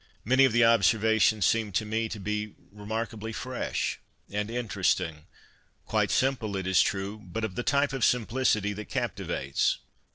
Many of the observations seem to me to be remarkably fresh and interesting — quite simple, it is true, but of the type of simplicity that captivates.